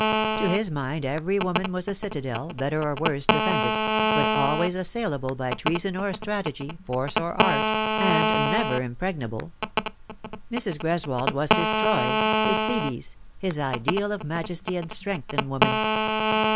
To his mind every woman was a citadel, better or worse defended, but always assailable by treason or strategy, force or art, and never impregnable. Mrs. Greswold was his Troy, his Thebes, his ideal of majesty and strength in woman.